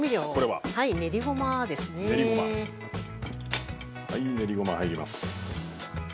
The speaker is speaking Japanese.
はい練りごま入ります。